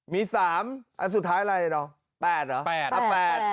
มี๓สุดท้ายอะไรหรอ